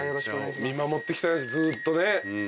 見守ってきたずっとね。